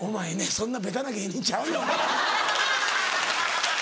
そんなベタな芸人ちゃうよ。